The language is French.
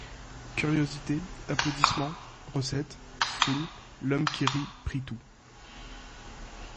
Curiosité, applaudissements, recettes, foule, l’Homme qui Rit prit tout.